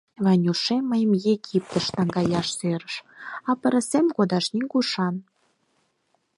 — Ванюшем мыйым Египетыш наҥгаяш сӧрыш, а пырысым кодаш нигушан.